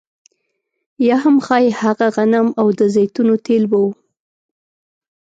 یا هم ښايي هغه غنم او د زیتونو تېل به وو